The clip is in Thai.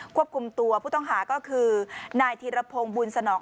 ควบคุมตัวผู้ต้องหาก็คือนายธีรพงศ์บุญสนอง